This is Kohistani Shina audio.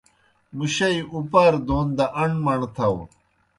مُشَئی اُپار دون دہ اݨ مݨ تھاؤ۔